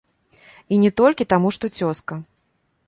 І не толькі таму, што цёзка.